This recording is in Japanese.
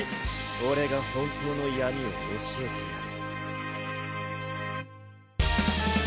俺が本当の闇を教えてやる。